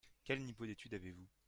Quel niveau d'étude avez-vous ?